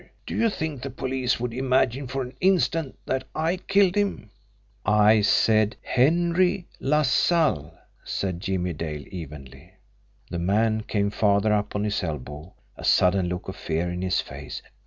Do you think the police would imagine for an instant that I killed him?" "I said HENRY LASALLE," said Jimmie Dale evenly. The man came farther up on his elbow, a sudden look of fear in his face.